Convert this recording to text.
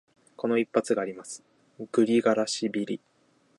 この一発があります、グリガラシビリ。